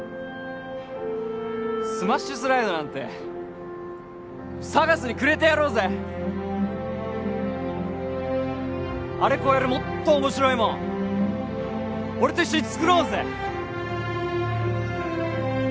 スマッシュスライドなんてＳＡＧＡＳにくれてやろうぜあれ超えるもっと面白いもん俺と一緒に作ろうぜ！